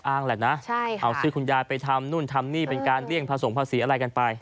อ้านก็ไม่ได้อีก